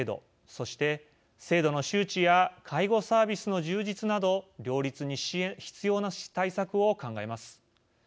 そして、制度の周知や介護サービスの充実など両立に必要な対策を考えます。